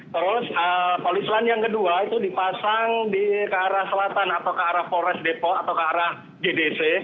terus polis lain yang kedua itu dipasang ke arah selatan atau ke arah polres depok atau ke arah gdc